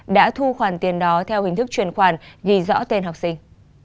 đã thu khoản tiền đó theo hình thức chuyển khoản ghi rõ tên học sinh